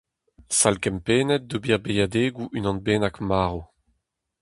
Sal kempennet d'ober beilhadegoù unan bennak marv.